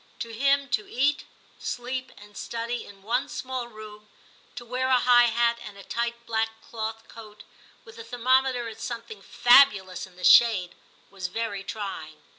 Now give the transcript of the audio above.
To him, to eat, sleep, and study in one small room, to wear a high hat and a tight black cloth coat, with the thermometer at something fabulous in the shade, was very trying.